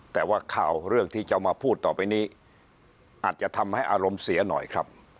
แต่ว่าข่าวเรื่องที่จะมาพูดต่อไปนี้อาจจะทำให้อารมณ์เสียหน่อยครับ